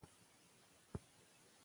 ایا د مې میاشت د درویش دراني په نوم ده؟